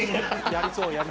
・やりそう・